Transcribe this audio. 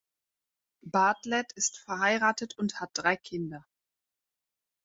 Bartlett ist verheiratet und hat drei Kinder.